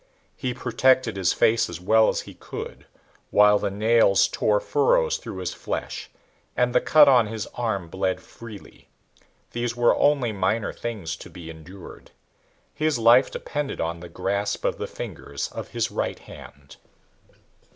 He protected his face as well as he could, while the nails tore furrows through his flesh and the cut on his arm bled freely. These were only minor things to be endured. His life depended on the grasp of the fingers of his right hand.